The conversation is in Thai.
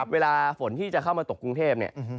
เวลาฝนที่จะเข้ามาตกกรุงเทพเนี่ย